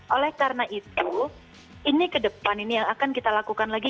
oleh karena itu ini ke depan ini yang akan kita lakukan lagi